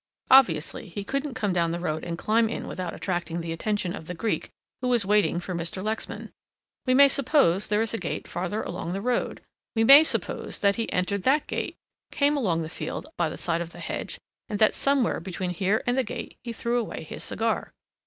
Obviously he couldn't come down the road and climb in without attracting the attention of the Greek who was waiting for Mr. Lexman. We may suppose there is a gate farther along the road, we may suppose that he entered that gate, came along the field by the side of the hedge and that somewhere between here and the gate, he threw away his cigar."